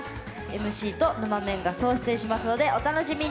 ＭＣとぬまメンが総出演しますのでお楽しみに。